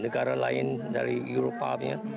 negara lain dari eropa punya